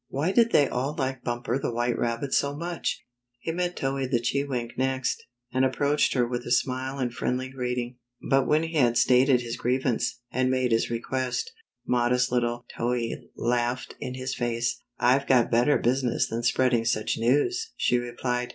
Why did they all like Bumper the White Rabbit so much? He met Towhee the Chewink next, and ap proached her with a smile and friendly greeting, but when he had stated his grievance, and made his request, modest little Towhee laughed in his face. " I've got better business than spreading sucK news," she replied.